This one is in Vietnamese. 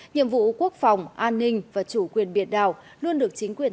nhiệm vụ quốc phòng an ninh và chủ quyền biệt đảo luôn được chính quyền